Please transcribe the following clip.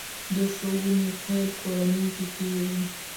د ښوونې پیل کورنۍ کې کېږي.